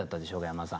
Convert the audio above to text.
山田さん。